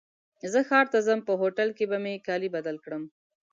زه ښار ته ځم په هوټل کي به مي کالي بدل کړم.